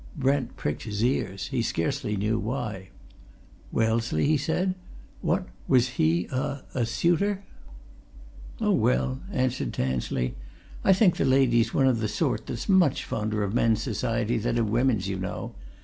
Brent pricked his ears he scarcely knew why. "Wellesley?" he said. "What? Was he a a suitor?" "Oh, well," answered Tansley, "I think the lady's one of the sort that's much fonder of men's society than of women's, you know.